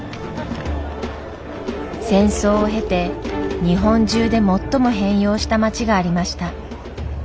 戦争を経て日本中で最も変容した町がありました。